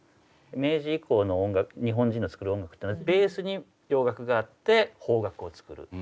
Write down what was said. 明治以降の日本人の作る音楽っていうのはベースに洋楽があって邦楽を作る。